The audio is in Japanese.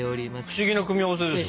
不思議な組み合わせですね。